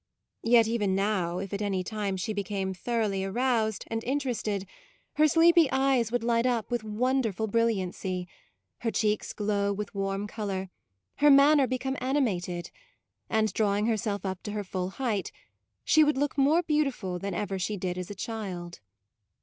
Yet even now if at any time she became thoroughly aroused 12 MAUDE and interested, her sleepy eyes would light up with wonderful brilliancy, her cheeks glow with warm colour, her manner become animated, and drawing herself up to her full height, she would look more beautiful than ever she did as a child.